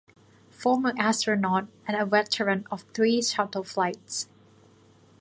Former Astronaut and a veteran of three shuttle flights.